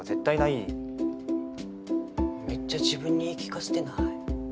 めっちゃ自分に言い聞かせてない？